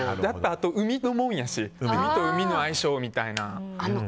あとは海のもんやし海と海の相性みたいな。